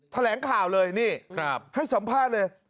แถลงข่าวเลยนี่ให้สัมภาษณ์เลย